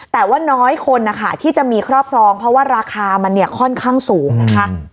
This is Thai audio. แต่ว่าน้อยคนนะคะที่จะมีครอบครองเพราะว่าราคามันเนี่ยค่อนข้างสูงนะคะ